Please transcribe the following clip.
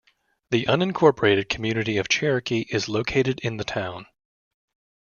The unincorporated community of Cherokee is located in the town.